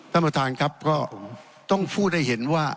ท่านประธานครับก็ต้องพูดให้เห็นว่า